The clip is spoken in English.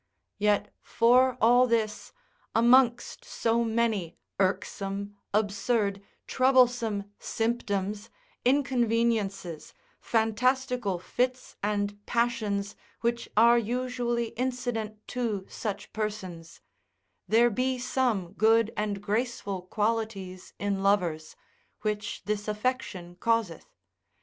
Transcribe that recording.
Yet for all this, amongst so many irksome, absurd, troublesome symptoms, inconveniences, fantastical fits and passions which are usually incident to such persons, there be some good and graceful qualities in lovers, which this affection causeth.